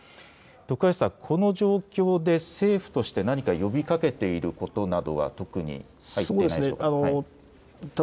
徳橋さん、この状況で政府として何か呼びかけていることなど特に入っていないでしょうか。